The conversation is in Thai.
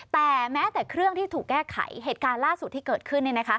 แต่แม้แต่เครื่องที่ถูกแก้ไขเหตุการณ์ล่าสุดที่เกิดขึ้น